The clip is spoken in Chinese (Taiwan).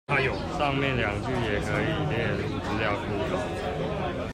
上面兩句也可以列入資料庫中